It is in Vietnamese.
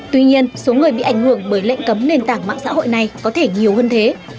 tuy nhiên số người bị ảnh hưởng bởi lệnh cấm nền tảng mạng xã hội này có thể nhiều hơn thế